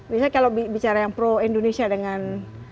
biasanya kalau bicara yang pro indonesia dengan